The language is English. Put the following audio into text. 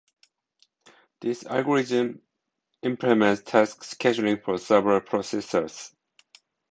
This algorithm implements task scheduling for several processors.